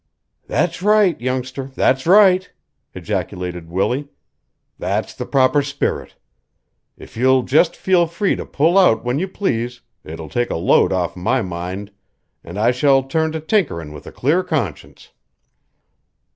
"That's right, youngster, that's right!" ejaculated Willie. "That's the proper spirit. If you'll just feel free to pull out when you please it will take a load off my mind, an' I shall turn to tinkerin' with a clear conscience."